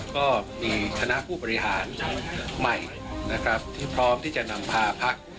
ก็มีคณะผู้บริหารใหม่นะครับที่พร้อมที่จะนำพาพัก